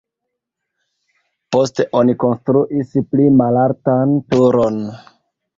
Poste oni konstruis pli malaltan turon.